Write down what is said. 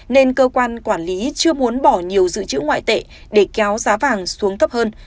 nên cơ quan quản lý chưa muốn bỏ nhiều dự trữ ngoại tệ để kéo giá vàng xuống thấp hơn